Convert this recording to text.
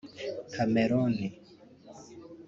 Cameroon